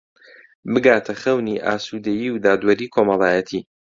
بگاتە خەونی ئاسوودەیی و دادوەریی کۆمەڵایەتی